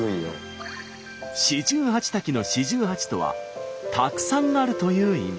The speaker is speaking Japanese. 四十八滝の「四十八」とは「たくさんある」という意味。